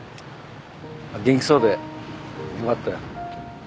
元気そうでよかったよ。